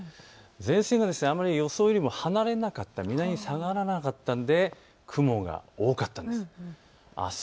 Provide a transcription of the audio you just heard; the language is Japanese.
前線が予想よりも離れなかった、南に下がらなかったので雲が多かったんです。